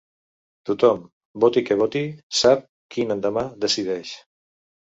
Tothom, voti què voti, sap quin endemà decideix.